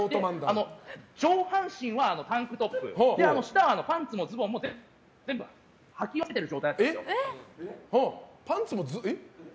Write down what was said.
上半身はタンクトップ下はパンツもズボンも全部はき忘れている状態だったんです。え？